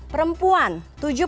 perempuan tujuh puluh tiga tahun